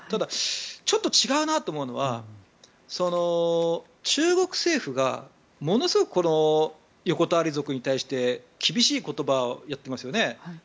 ちょっと違うなと思うのは中国政府がものすごく横たわり族に対して厳しい言葉を言ってますよね。